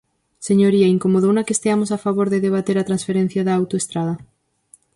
Señoría, ¿incomodouna que esteamos a favor de debater a transferencia da autoestrada?